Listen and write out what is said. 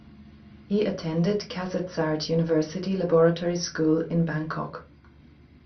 He attended Kasetsart University Laboratory School in Bangkok.